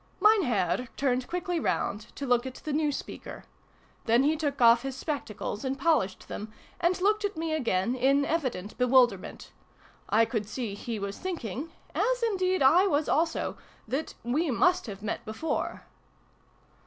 Mein Herr turned quickly round, to look at the new speaker. Then he took off his spec tacles, and polished them, and looked at me again, in evident bewilderment. I could see he was thinking as indeed / was also that we must have met before.